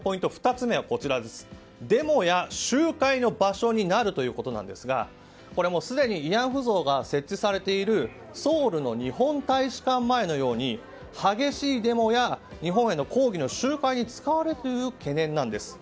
２つ目デモや集会の場所になるということなんですがこれはすでに慰安婦像が設置されているソウルの日本大使館前のように激しいデモや日本への抗議の集会に使われるという懸念なんです。